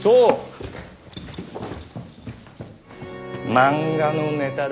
漫画のネタだ。